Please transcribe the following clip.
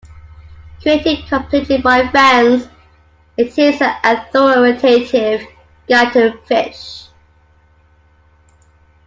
Created completely by fans, it is the authoritative guide to Phish.